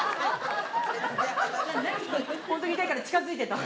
本当に痛いから近づいていった。